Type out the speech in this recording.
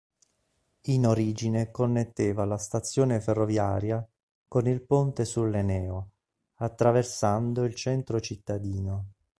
In origine connetteva la stazione ferroviaria con il ponte sull'Eneo attraversando il centro cittadino.